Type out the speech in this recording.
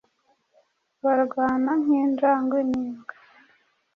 Barwana nk'injangwe n'imbwa.